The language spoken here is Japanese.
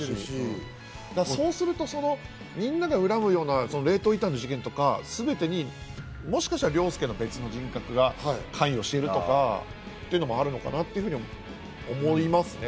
そうすると、みんなが恨むような冷凍遺体の事件とか全てに、もしかしたら凌介の別の人格が関与しているのかなとか思いますね。